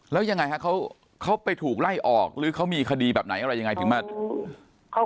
แล้วยังไงฮะเขาไปถูกไล่ออกหรือเขามีคดีแบบไหนอะไรยังไงถึงมา